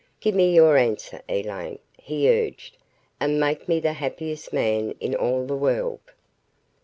Give me your answer, Elaine," he urged, "and make me the happiest man in all the world."